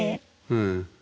うん。